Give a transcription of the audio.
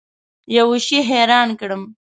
یوه شي حیران کړم.